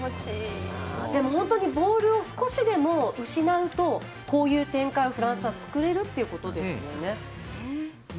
本当にボールを少しでも失うとこういう展開がフランスは作れるってことですね。